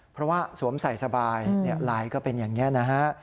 เพราะว่าสวมใส่สบายลายก็เป็นอย่างนี้นะฮะ